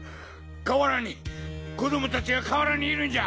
河原に子供たちが河原にいるんじゃ！